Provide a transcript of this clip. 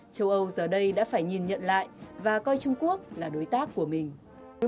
châu âu giờ đây đã phải nhìn nhận lại và coi trung quốc là đối tác của mình